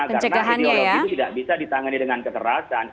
karena ideologi itu tidak bisa ditangani dengan keserasan